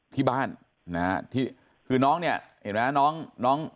ที่บ้านนะฮะที่คือน้องเนี่ยเห็นไหมน้องน้อง